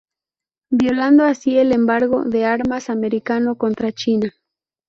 Violando así el embargo de armas americano contra China.